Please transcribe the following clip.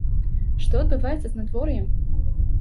Што адбываецца з надвор'ем?